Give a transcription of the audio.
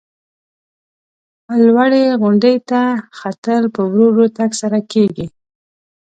لوړې غونډۍ ته ختل په ورو ورو تگ سره کیږي.